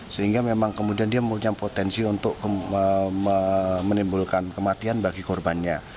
sehingga memang kemudian dia mempunyai potensi untuk menimbulkan kematian bagi korbannya